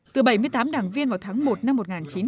từ bảy mươi tám đảng viên vào tháng một năm hai nghìn một mươi chín